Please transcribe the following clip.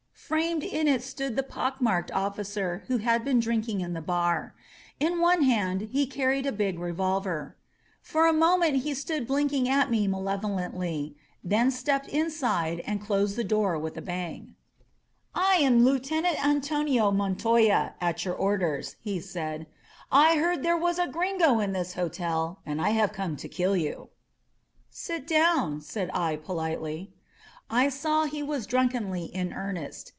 Framed in it stood the pock marked officer who had been drink ing in the bar. In one hand he carried a big revolver. For a moment he stood blinking at me malevolently, then stepped inside and closed the door with a bang. 161 INSURGENT MEXICO «1 ^I am Lieutenant Antonio Montoya, at your orders," he said. ^^I heard there was a Gringo in this hotel and I have come to kill you." "Sit down/' said I politely. I saw he was drunkenly in earnest.